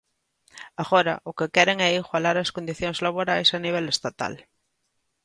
Agora o que queren é igualar as condicións laborais a nivel estatal.